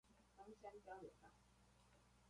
岡山交流道